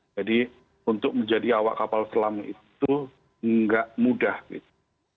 jadi untuk menjadi awak kapal selam itu tidak mudah gitu